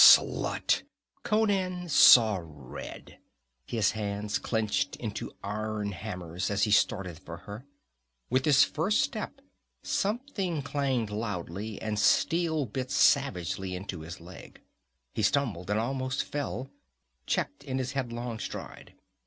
"Slut!" Conan saw red. His hands clenched into iron hammers as he started for her. With his first step something clanged loudly and steel bit savagely into his leg. He stumbled and almost fell, checked in his headlong stride.